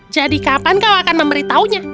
jadi kapan kau akan memberitahunya